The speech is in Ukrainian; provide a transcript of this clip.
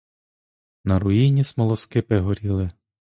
На руїні смолоскипи горіли.